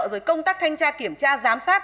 rồi công tác thanh tra kiểm tra giám sát